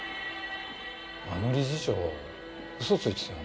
あの理事長嘘ついてたよね。